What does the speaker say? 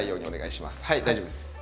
はい大丈夫です。